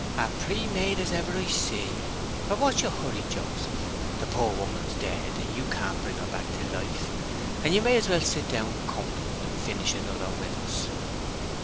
"A pretty maid as ever I see! But what's yer hurry, Joseph? The pore woman's dead, and you can't bring her to life, and you may as well sit down comfortable, and finish another with us."